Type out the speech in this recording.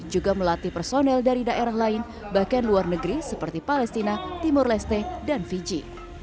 juga melatih personel dari daerah lain bahkan luar negeri seperti palestina timur leste dan fiji